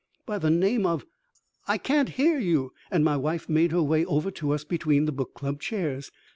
"By the name of ? I can't hear you." And my wife made her way over to us between the Book Club's chairs.